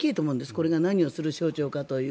これが何をする省庁かという。